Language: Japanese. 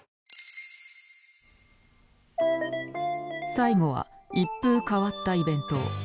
最後は一風変わったイベントを。